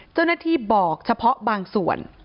เจ้าหน้าที่บอกเฉพาะบางส่วน